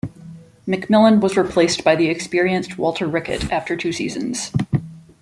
McMillan was replaced by the experienced Walter Rickett after two seasons.